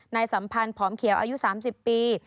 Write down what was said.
สัมพันธ์ผอมเขียวอายุ๓๐ปี